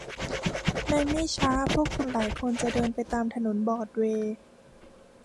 ในไม่ช้าพวกคุณหลายคนจะเดินไปตามถนนบรอดเวย์